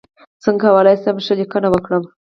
څنګه کولی شم ښه لیکنه وکړم